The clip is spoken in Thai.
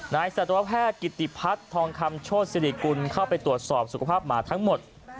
สัตวแพทย์กิติพัฒน์ทองคำโชธสิริกุลเข้าไปตรวจสอบสุขภาพหมาทั้งหมด